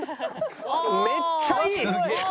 めっちゃいい！